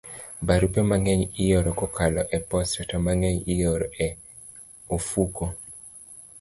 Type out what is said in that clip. Barupe mang'eny ioro kokalo e posta, to mang'eny ioro e ofuko.